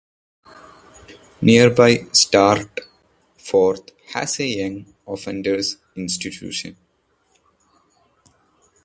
Nearby Startforth has a young offenders' institution.